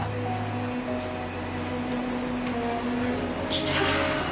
来た！